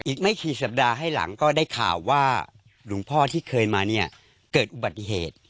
อีกไม่กี่สัปดาห์ให้หลังก็ได้ข่าวว่าหลวงพ่อที่เคยมาเนี่ยเกิดอุบัติเหตุ